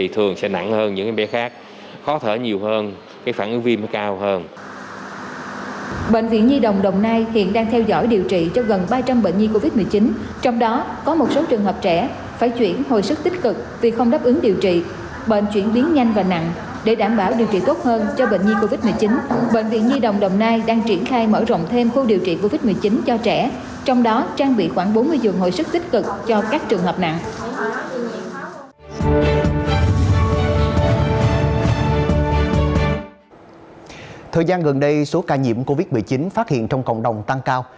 thời gian gần đây số ca nhiễm covid một mươi chín phát hiện trong cộng đồng tăng cao